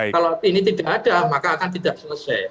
kalau ini tidak ada maka akan tidak selesai